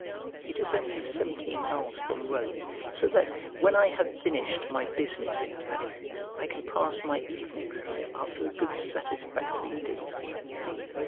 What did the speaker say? It is only seventeen miles from Rome: so that when I have finished my business in town, I can pass my evenings here after a good satisfactory day's work.